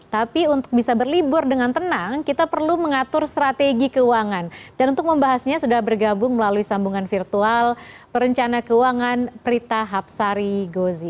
tapi untuk bisa berlibur dengan tenang kita perlu mengatur strategi keuangan dan untuk membahasnya sudah bergabung melalui sambungan virtual perencana keuangan prita hapsari gozi